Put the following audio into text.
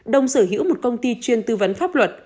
đông sở hữu một công ty chuyên tư vấn pháp luật